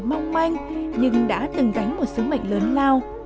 mong manh nhưng đã từng đánh một sứ mệnh lớn lao